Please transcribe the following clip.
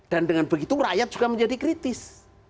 dan dengan begitu rakyat juga menjadi kritis